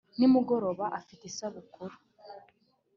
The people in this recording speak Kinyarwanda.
ni mugoroba afite isabukru